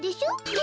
え？